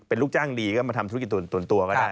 เป็นลูกจ้างดีก็มาทำธุรกิจตุ๋นตัวก็ได้